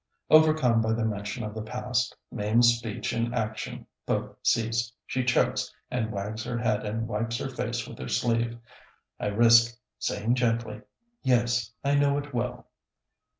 Overcome by the mention of the past, Mame's speech and action both cease. She chokes and wags her head and wipes her face with her sleeve. I risk saying, gently, "Yes, I know it well."